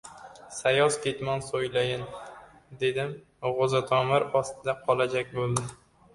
Sayoz ketmon solayin, dedim — g‘o‘zatomir ostda qolajak bo‘ldi.